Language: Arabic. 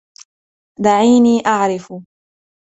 دعيني أعرف!